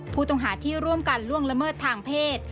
ผู้ต้องหาที่ร่วมกันล่วงละเมิดทางเพศ